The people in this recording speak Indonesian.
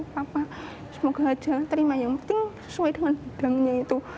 papa semoga aja terima yang penting sesuai dengan bidangnya itu